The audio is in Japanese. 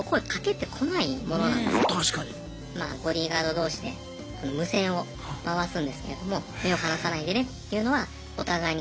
まあボディーガード同士で無線を回すんですけれども目を離さないでねっていうのはお互いにコンタクトします。